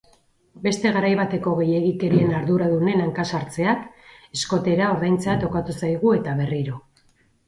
Beste garai bateko gehiegikerien arduradunen hanka-sartzeak, eskotera ordaintzea tokatu zaigu eta berriro.